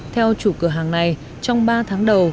theo chủ cửa hàng này trong ba tháng đầu